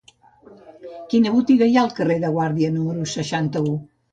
Quina botiga hi ha al carrer de Guàrdia número seixanta-u?